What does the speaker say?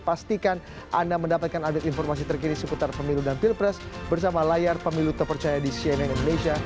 pastikan anda mendapatkan update informasi terkini seputar pemilu dan pilpres bersama layar pemilu terpercaya di cnn indonesia